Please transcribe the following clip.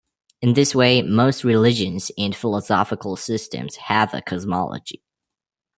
In this way, most religions and philosophical systems have a cosmology.